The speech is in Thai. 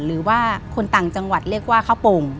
หรือว่าคนต่างจังหวัดเรียกว่าข้าวโป่ง